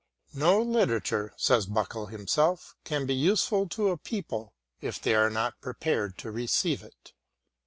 "No literature," says Buckle himself, "can be useful to a people, if they are not prepared to receive it."